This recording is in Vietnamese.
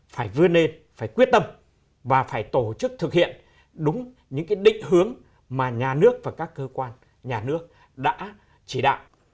phải vươn lên phải quyết tâm và phải tổ chức thực hiện đúng những định hướng mà nhà nước và các cơ quan nhà nước đã chỉ đạo